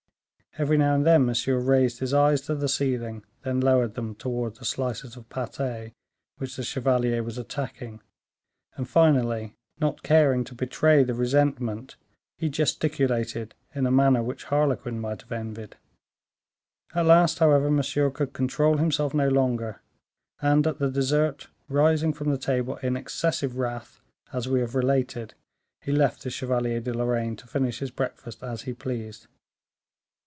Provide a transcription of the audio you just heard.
Every now and then Monsieur raised his eyes to the ceiling, then lowered them towards the slices of pate which the chevalier was attacking, and finally, not caring to betray the resentment, he gesticulated in a manner which Harlequin might have envied. At last, however, Monsieur could control himself no longer, and at the dessert, rising from the table in excessive wrath, as we have related, he left the Chevalier de Lorraine to finish his breakfast as he pleased.